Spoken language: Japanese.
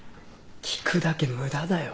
聞くだけ無駄だよ。